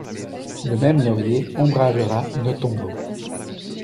Le même laurier ombragera nos tombeaux!